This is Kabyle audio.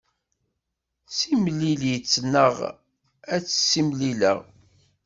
Simlil-itt neɣ ad tt-simlileɣ.